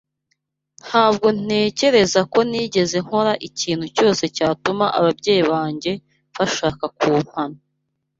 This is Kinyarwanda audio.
Ntabwo ntekereza ko nigeze nkora ikintu cyose cyatuma ababyeyi banjye bashaka kumpana.